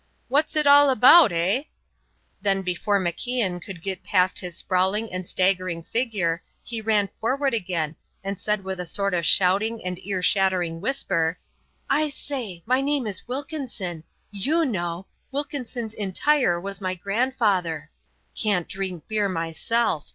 "What's it all about, eh?" Then before MacIan could get past his sprawling and staggering figure he ran forward again and said with a sort of shouting and ear shattering whisper: "I say, my name is Wilkinson. You know Wilkinson's Entire was my grandfather. Can't drink beer myself.